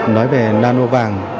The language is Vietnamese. nói về nano vàng